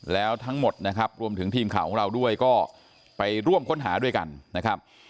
แล้วทั้งหมดนะครับรวมถึงทีมข่าวของเราด้วยก็ไปร่วมค้นหาด้วยกันนะครับ